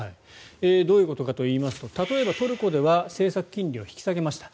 どういうことかといいますと例えば、トルコでは政策金利を引き下げました。